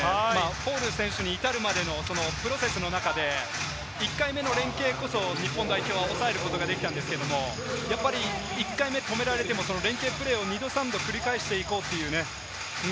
フォール選手に至るまでのプロセスの中で１回目の連係こそ日本代表は抑えることができたんですけれども、やっぱり１回目、止められても連係プレーを２度、３度繰り返していこうというね。